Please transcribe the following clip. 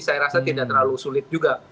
saya rasa tidak terlalu sulit juga